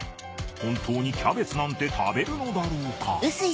本当にキャベツなんて食べるのだろうか。